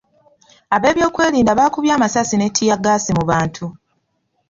Ab'ebyokwerinda baakubye amasasi ne ttiyaggaasi mu bantu.